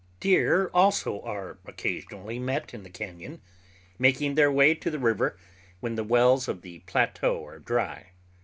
Deer also are occasionally met in the cañon, making their way to the river when the wells of the plateau are dry.